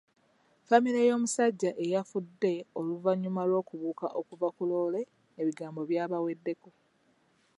Famile y'omusajja eyafudde oluvannyuma lw'okubuuka okuva ku loole ebigambo byabaweddeko.